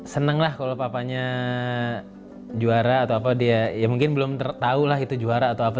seneng lah kalo papanya juara atau apa ya mungkin belum tau lah itu juara atau apa